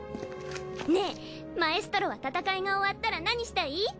ねぇマエストロは戦いが終わったらなにしたい？